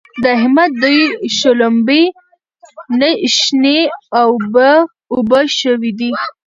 د احمد دوی شلومبې شنې اوبه شوې دي.